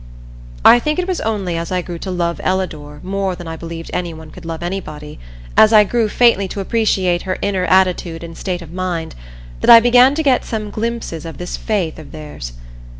I think it was only as I grew to love Ellador more than I believed anyone could love anybody, as I grew faintly to appreciate her inner attitude and state of mind, that I began to get some glimpses of this faith of theirs.